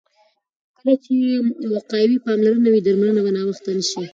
کله چې وقایوي پاملرنه وي، درملنه به ناوخته نه شي.